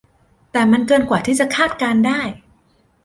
แต่มันเกินกว่าที่จะคาดการณ์ได้